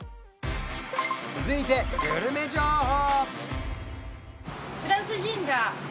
続いてグルメ情報！